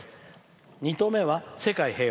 ２兎目は世界平和。